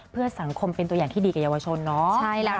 เพื่อสังคมเป็นตัวอย่างที่ดีกับเยาวชนเนาะ